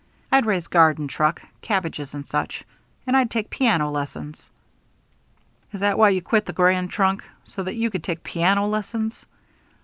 I'd raise garden truck, cabbages, and such, and I'd take piano lessons." "Is that why you quit the Grand Trunk? So that you could take piano lessons?"